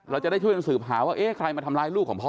เราจะได้ช่วยกันสืบหาว่าเอ๊ะใครมาทำร้ายลูกของพ่อ